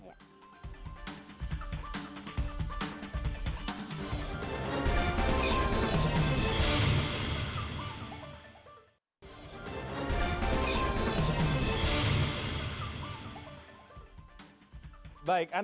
baik anda kembali di prime news